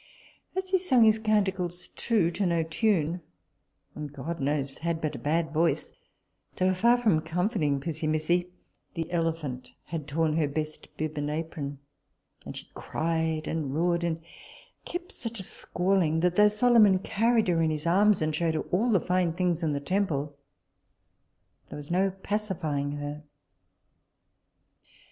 As he sung his canticles too to no tune, and god knows had but a bad voice, they were far from comforting Pissimissi: the elephant had torn her best bib and apron, and she cried and roared, and kept such a squalling, that though Solomon carried her in his arms, and showed her all the fine things in the temple, there was no pacifying her.